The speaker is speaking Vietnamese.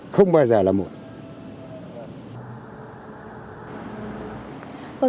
không bao giờ là muộn